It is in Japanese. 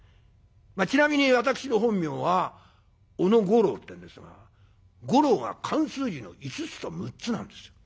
ちなみに私の本名は小野五六ってんですが「五六」が漢数字の五つと六つなんですよ。